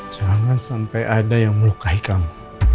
jangan sampai ada yang melukai kamu